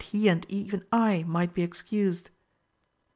251 he and even I might be excused.